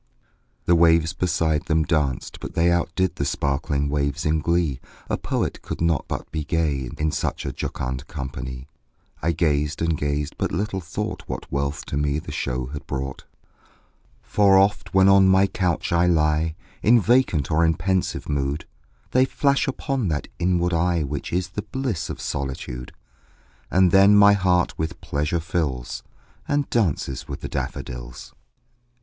The waves beside them danced; but they Outdid the sparkling waves in glee; A poet could not but be gay, In such a jocund company; I gazed and gazed but little thought What wealth to me the show had brought: For oft, when on my couch I lie In vacant or in pensive mood, They flash upon that inward eye Which is the bliss of solitude; And then my heart with pleasure fills, And dances with the daffodils.